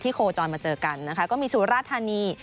ที่โคลด์จอนมาเจอกันนะคะก็มีสุรธานี